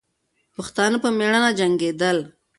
پښتانه په میړانه جنګېدل.